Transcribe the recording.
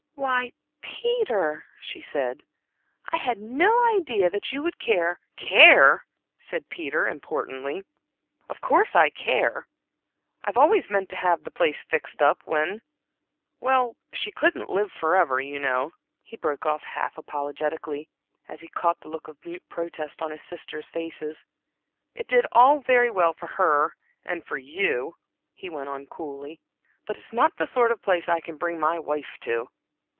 "Why, Peter," she said, "I had no idea that you would care" "Care!" said Peter, importantly. "Of course I care. I've always meant to have the place fixed up when well, she couldn't live for ever, you know" he broke off half apologetically, as he caught the look of mute protest on his sisters' faces. "It did all very well for her and for you," he went on, coolly, "but it's not the sort of place I can bring my wife to."